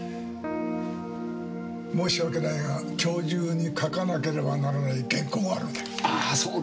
申し訳ないが今日中に書かなければならない原稿があるので。